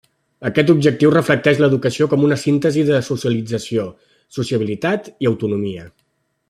Aquest objectiu reflecteix l'educació com una síntesi de socialització, sociabilitat i autonomia.